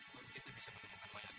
baru kita bisa menemukan mayatnya